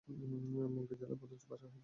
মুঙ্গের জেলার প্রধান ভাষা হল হিন্দি।